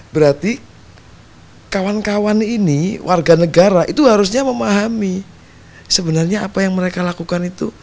berarti kawan kawan ini warga negara itu harusnya memahami sebenarnya apa yang mereka lakukan itu